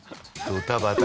ドタバタ。